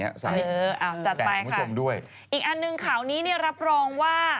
อีกอันหนึ่งข่าวนี้รับรองว่า